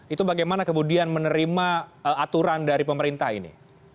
itu bagaimana kemudian menerima aturan dari pemerintah ini